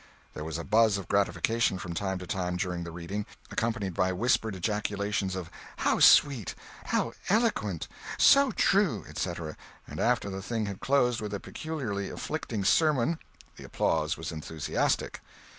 There was a buzz of gratification from time to time during the reading, accompanied by whispered ejaculations of "How sweet!" "How eloquent!" "So true!" etc., and after the thing had closed with a peculiarly afflicting sermon the applause was enthusiastic.